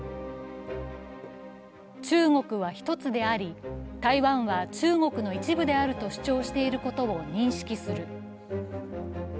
中国は一つであり、台湾は中国の一部であると主張していることを認識する。